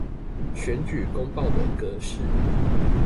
選舉公報的格式